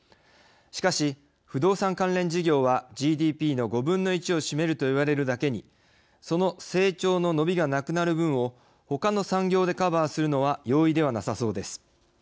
しかし不動産関連事業はＧＤＰの５分の１を占めるといわれるだけにその成長の伸びがなくなる分を他の産業でカバーするのは容易ではなさそうです。